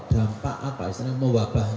dampak apa istilahnya mewabahnya